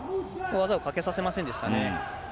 技をかけさせませんでしたね。